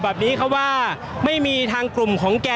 ก็น่าจะมีการเปิดทางให้รถพยาบาลเคลื่อนต่อไปนะครับ